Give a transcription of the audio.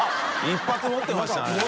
一発持ってましたね